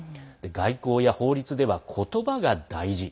外交や法律では、ことばが大事。